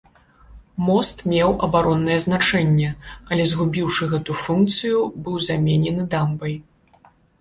Мост меў абароннае значэнне, але, згубіўшы гэту функцыю, быў заменены дамбай.